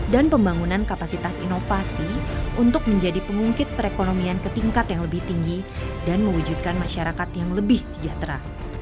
dan pembangunan kapasitas inovasi untuk menjadi pengungkit perekonomian ke tingkat yang lebih tinggi dan mewujudkan masyarakat yang lebih sejahtera